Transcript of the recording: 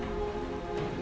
dan di sini